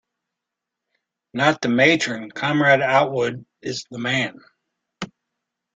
Not the matron — Comrade Outwood is the man.